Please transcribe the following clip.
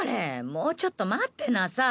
もうちょっと待ってなさい。